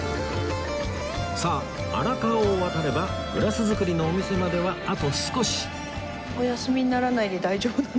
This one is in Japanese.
さあ荒川を渡ればグラス作りのお店まではあと少し